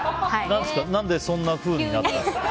何でそんなふうになったんですか？